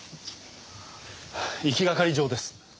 行きがかり上です。